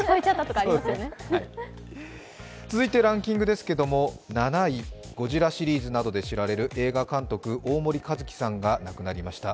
続いてランキングですが、７位、「ゴジラ」シリーズなどで知られる映画監督、大森一樹さんが亡くなりました。